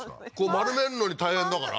丸めんのに大変だから？